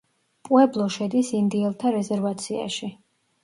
პუებლო შედის ინდიელთა რეზერვაციაში.